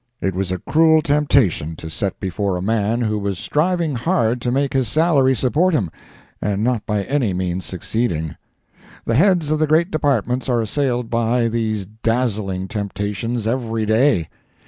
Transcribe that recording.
It was a cruel temptation to set before a man who was striving hard to make his salary support him and not by any means succeeding. The heads of the great Departments are assailed by these dazzling temptations every day.